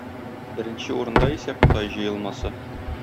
Беренче урында исә Кытай җыелмасы.